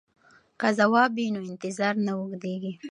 که ځواب وي نو انتظار نه اوږدیږي.